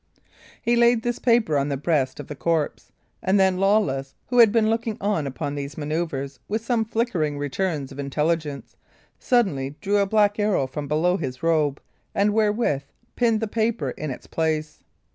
He laid this paper on the breast of the corpse; and then Lawless, who had been looking on upon these last manoeuvres with some flickering returns of intelligence, suddenly drew a black arrow from below his robe, and therewith pinned the paper in its place.